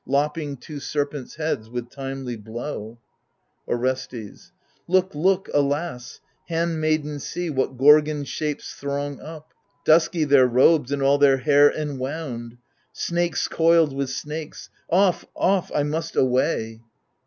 Lopping two serpents' heads with timely blow, Orestes Look, look, alas ! Handmaidens, see — what Gorgon shapes throng up ! Dusky their robes and all their hair en wound — Snakes coiled with snakes — off, off, — I must away